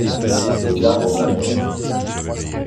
Les arbres m’apaisent.